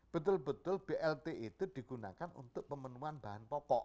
betul betul blt itu digunakan untuk pemenuhan bahan pokok